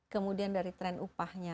kemudian dari trend upahnya